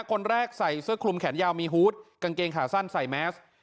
คนแรกใส่เสื้อคลุมแขนยาวมีฮูตกางเกงขาสั้นใส่แมส